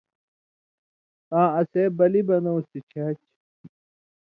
آں اسے (بلی) بنؤں سِڇھیا چھی۔